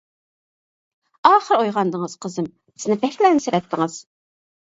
-ئاخىر ئويغاندىڭىز قىزىم، بىزنى بەكلا ئەنسىرەتتىڭىز.